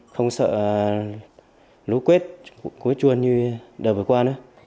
không sợ lũ quết cuối chuôn như đợi vừa qua nữa